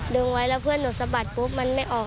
ไว้แล้วเพื่อนหนูสะบัดปุ๊บมันไม่ออก